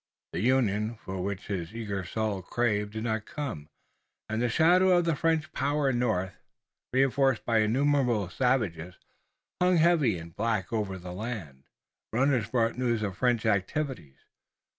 The union for which his eager soul craved did not come, and the shadow of the French power in the north, reinforced by innumerable savages, hung heavy and black over the land. Every runner brought news of French activities.